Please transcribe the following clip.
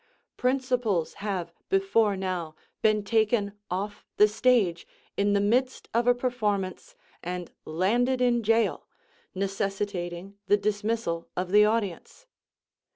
Principals have before now been taken off the stage in the midst of a performance and landed in jail, necessitating the dismissal of the audience.